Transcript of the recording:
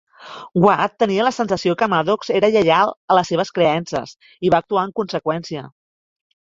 Watt tenia la sensació que Maddox era lleial a les seves creences i va actuar en conseqüència.